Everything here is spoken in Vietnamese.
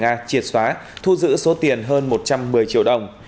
châu thành a triệt xóa thu giữ số tiền hơn một trăm một mươi triệu đồng